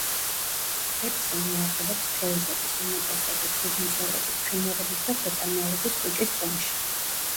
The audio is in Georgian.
პეპსინი არსებობს თევზების უმეტესობის, ძუძუმწოვრების, ფრინველების და ქვეწარმავლების კუჭის წვენში.